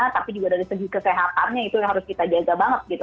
tapi juga dari segi kesehatannya itu yang harus kita jaga banget gitu